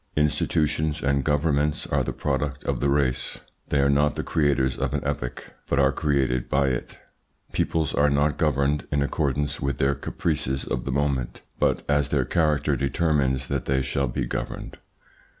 Institutions and governments are the product of the race. They are not the creators of an epoch, but are created by it. Peoples are not governed in accordance with their caprices of the moment, but as their character determines that they shall be governed.